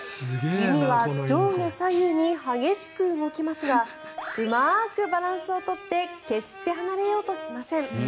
弓は上下左右に激しく動きますがうまくバランスを取って決して離れようとしません。